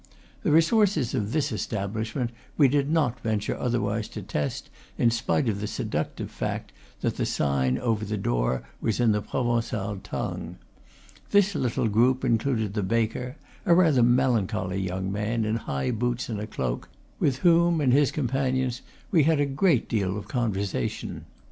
The resources of this establishment we did not venture otherwise to test, in spite of the seductive fact that the sign over the door was in the Provencal tongue. This little group included the baker, a rather melancholy young man, in high boots and a cloak, with whom and his companions we had a good deal of conversation.